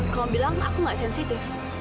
kamu bilang aku nggak sensitif